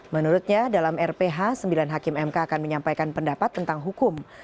menurutnya dalam rph sembilan hakim mk akan menyampaikan pendapat tentang hukum